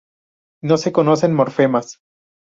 No se conocen morfemas.